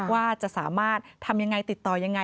ว่าจะสามารถทำยังไงติดต่อยังไง